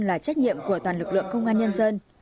là trách nhiệm của toàn lực lượng công an nhân dân